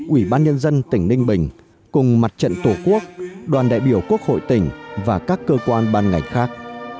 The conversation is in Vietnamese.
ủy ban nhân dân tỉnh ninh bình cùng mặt trận tổ quốc đoàn đại biểu quốc hội tỉnh và các cơ quan ban ngành khác